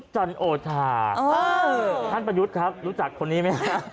คั่นประยุฒค์ครับรู้จักคนนี้ไหม